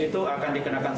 itu akan dikenakan tersebut